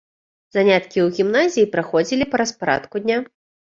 Заняткі ў гімназіі праходзілі па распарадку дня.